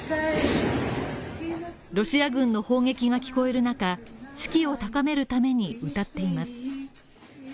ロシア軍の砲撃が聞こえる中、士気を高めるために歌っています。